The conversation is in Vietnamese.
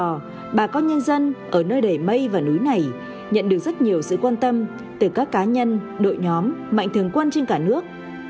trong đó bà con nhân dân ở nơi đầy mây và núi này nhận được rất nhiều sự quan tâm từ các cá nhân đội nhóm mạnh thường quân trên cả nước